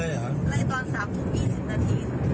ไล่ตอน๓พรุ่ง๒๐นาที